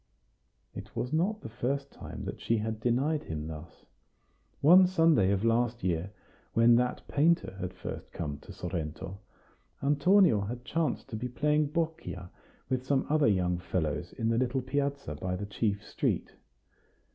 It was not the first time that she had denied him thus. One Sunday of last year, when that painter had first come to Sorrento, Antonio had chanced to be playing boccia with some other young fellows in the little piazza by the chief street.